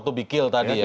tidak bisa dibunuh